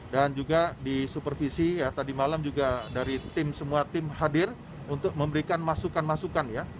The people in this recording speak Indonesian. dan juga disupervisi ya tadi malam juga dari semua tim hadir untuk memberikan masukan masukan ya